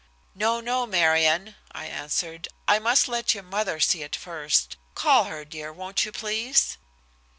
"No, no, Marion," I answered. "I must let your mother see it first. Call her, dear, won't you, please?"